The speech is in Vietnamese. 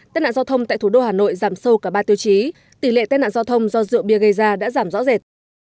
tên nạn giao thông tại thủ đô hà nội giảm sâu cả ba tiêu chí tỷ lệ tai nạn giao thông do rượu bia gây ra đã giảm rõ rệt